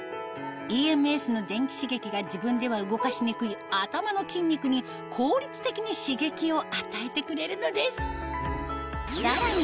ＥＭＳの電気刺激が自分では動かしにくい頭の筋肉に効率的に刺激を与えてくれるのですさらに